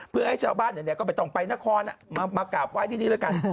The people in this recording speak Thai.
เพื่อให้ชาวบ้านไหนก็ไม่ต้องไปนครมากราบไหว้ที่นี่แล้วกัน